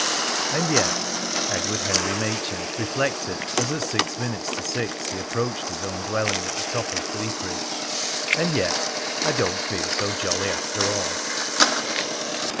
"And yet," Edward Henry Machin reflected as at six minutes to six he approached his own dwelling at the top of Bleakridge, "and yet I don't feel so jolly after all!"